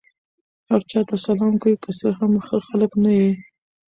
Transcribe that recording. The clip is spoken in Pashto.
هر چا ته سلام کوئ! که څه هم ښه خلک نه يي.